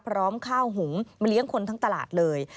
ข้าวหุงมาเลี้ยงคนทั้งตลาดเลย